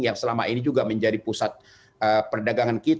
yang selama ini juga menjadi pusat perdagangan kita